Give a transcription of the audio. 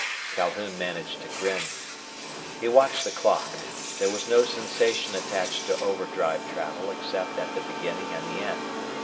Calhoun managed to grin. He watched the clock. There was no sensation attached to overdrive travel except at the beginning and the end.